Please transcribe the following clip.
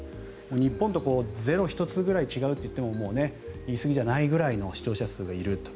日本と０が１つぐらい違うといっても言いすぎじゃないくらいの視聴者数がいると。